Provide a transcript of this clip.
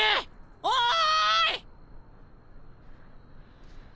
おい！